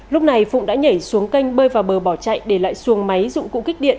lúc này phụng đã nhảy xuống kênh bơi vào bờ bỏ chạy để lại xuồng máy dụng cụ kích điện